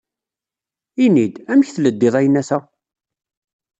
Ini-d, amek tleddiḍ ayennat-a?